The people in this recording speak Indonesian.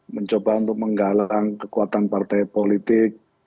mencoba untuk menggalang kekuatan partai politik